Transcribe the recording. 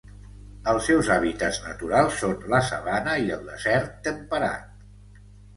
Els seus hàbitats naturals són la sabana i el desert temperat.